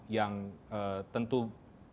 yang tentu beruntung